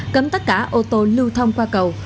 cấm tất cả ô tô lưu thông qua cầu